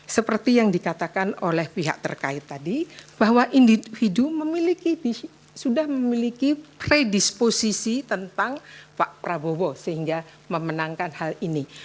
seperti yang dikatakan oleh pihak terkait tadi bahwa individu sudah memiliki predisposisi tentang pak prabowo sehingga memenangkan hal ini